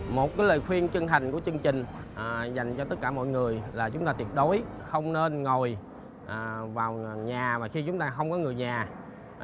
một lời khuyên chân thành của chương trình dành cho tất cả mọi người là chúng ta tuyệt đối không nên ngồi vào nhà mà khi chúng ta không có người già